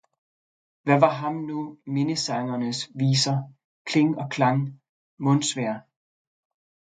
Hvad var ham nu Minnesangernes Viser, Kling og Klang, Mundsveir!